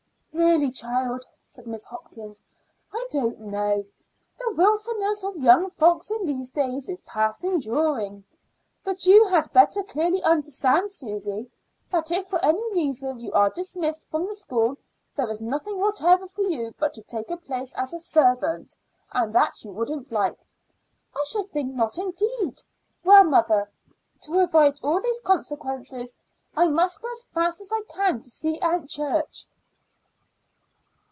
"Really, child," said Mrs. Hopkins, "I don't know. The wilfullness of young folks in these days is past enduring. But you had better clearly understand, Susy, that if for any reason you are dismissed from the school there is nothing whatever for you but to take a place as a servant; and that you wouldn't like." "I should think not, indeed. Well, mother, to avoid all these consequences I must go as fast as I can to see Aunt Church."